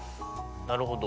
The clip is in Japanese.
なるほど。